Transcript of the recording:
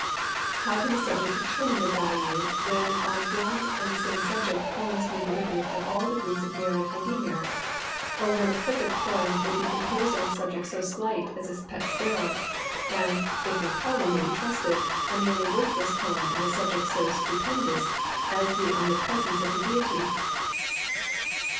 How can the subject determine the value when on one and the same subject poems may be written of all degrees of merit and demerit; or when a perfect poem may be composed on a subject so slight as a pet sparrow, and, if Macaulay may be trusted, a nearly worthless poem on a subject so stupendous as the omnipresence of the Deity?